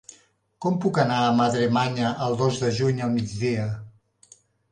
Com puc anar a Madremanya el dos de juny al migdia?